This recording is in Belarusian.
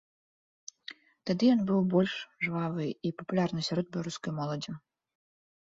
Тады ён быў больш жвавы і папулярны сярод беларускай моладзі.